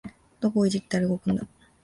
どこをいじったら動くんだ